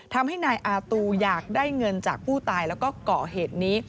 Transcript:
ทำให้นายอาตูอยากได้เงินจากผู้ตายแล้วก็เกาะเหตุนี้